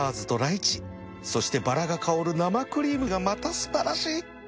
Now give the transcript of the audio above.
そしてバラが香る生クリームがまた素晴らしい